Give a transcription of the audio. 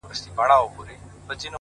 کلونه کیږي بې ځوابه یې بې سواله یې!